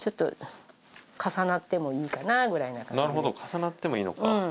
なるほど重なってもいいのか。